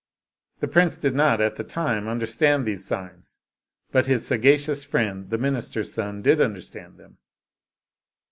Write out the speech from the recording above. The prince did not at that time understand those signs, but his sagacious friend the minister's son did understand them.